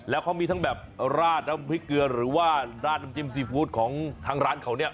แล้วเขามีทั้งแบบราดน้ำพริกเกลือหรือว่าราดน้ำจิ้มซีฟู้ดของทางร้านเขาเนี่ย